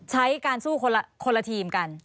ใช้การสู้คนละทีมกัน